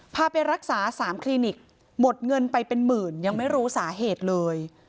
พาไปรักษา๓คลินิกหมดเงินไปเป็นหมื่นยังไม่รู้สาเหตุเลย